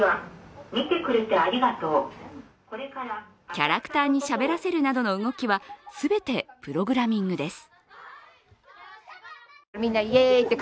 キャラクターにしゃべらせるなどの動きは全てプログラミングです。